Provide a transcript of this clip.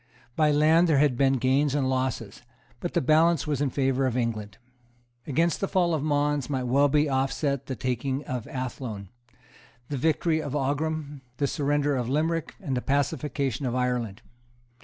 By land there had been gains and losses; but the balance was in favour of England. Against the fall of Mons might well be set off the taking of Athlone, the victory of Aghrim, the surrender of Limerick and the pacification of Ireland.